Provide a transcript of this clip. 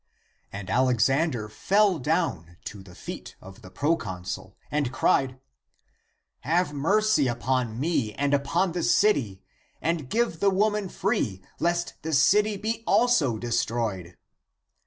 And Alexander fell down to the feet of the proconsul and cried, " Have mercy upon me and upon the city, and give the woman free, lest the city be also destroyed.